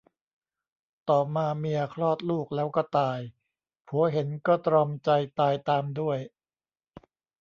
ต่อมาเมียคลอดลูกแล้วก็ตาย ผัวเห็นก็ตรอมใจตายตามด้วย